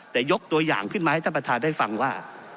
แต่ยกตัวอย่างขึ้นมาให้ท่านประธานได้ฟังว่า